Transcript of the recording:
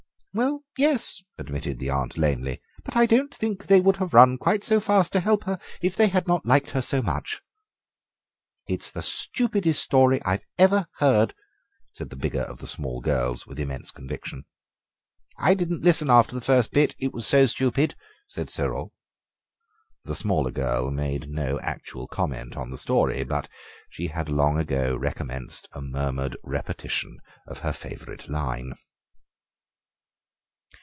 "Well, yes," admitted the aunt lamely, "but I don't think they would have run quite so fast to her help if they had not liked her so much." "It's the stupidest story I've ever heard," said the bigger of the small girls, with immense conviction. "I didn't listen after the first bit, it was so stupid," said Cyril. The smaller girl made no actual comment on the story, but she had long ago recommenced a murmured repetition of her favourite line.